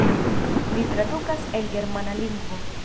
Li tradukas el germana lingvo.